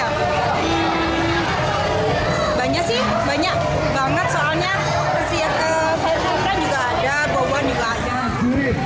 banyak sih banyak banget soalnya persiapan juga ada boban juga ada